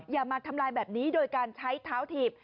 อย่ามาทำลายแบบนี้โดยการใช้เท้าถีบ